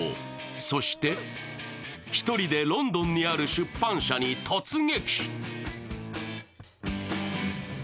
そして、１人でロンドンにある出版社に突撃。